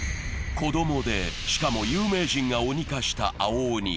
子供で、しかも有名人が鬼化した青鬼。